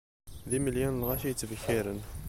D imelyan n lɣaci i yettbekkiren.